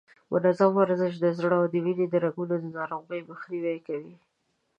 منظم ورزش د زړه او د وینې د رګونو د ناروغیو مخنیوی کوي.